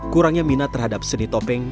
kurangnya minat terhadap seni topeng